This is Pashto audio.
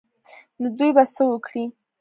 نو دوى به څه وکړي.